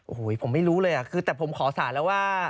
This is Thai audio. โอ้โหผมไม่รู้เลยคือแต่ผมขอสารแล้วว่า